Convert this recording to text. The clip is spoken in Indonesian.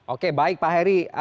oke baik pak heri